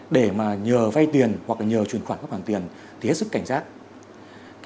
để nhờ vay tiền hoặc nhờ truyền khoản các khoản tiền thì hết sức cảnh giác